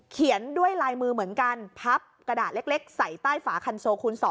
เขียนด้วยลายมือเหมือนกันพับกระดาษเล็กใส่ใต้ฝาคันโซคูณ๒